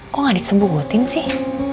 kok gak disembuhkutin sih